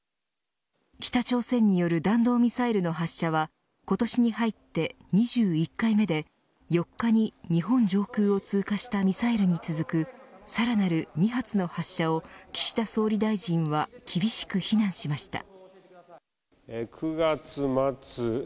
北朝鮮による弾道ミサイルの発射は今年に入って２１回目で４日に日本上空を通過したミサイルに続くさらなる２発の発射を岸田総理大臣は厳しく非難しました。